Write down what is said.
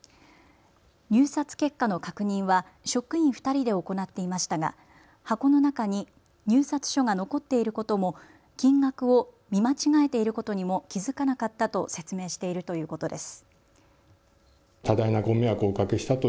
入札結果の確認は職員２人で行っていましたが箱の中に入札書が残っていることも金額を見間違えていることにも気付かなかったと説明しているということです。